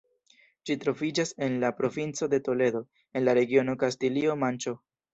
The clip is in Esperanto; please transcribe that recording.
Ĝi troviĝas en la provinco de Toledo, en la regiono Kastilio-Manĉo.